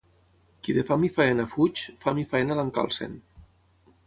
Qui de fam i feina fuig, fam i feina l'encalcen.